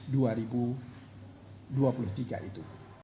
jadi kayak gitu